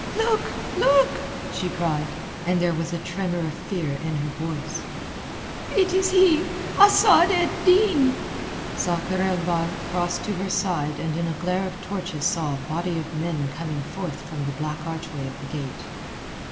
"Look, look!" she cried, and there was a tremor of fear in her voice. "It is he—Asad ed Din." Sakr el Bahr crossed to her side and in a glare of torches saw a body of men coming forth from the black archway of the gate.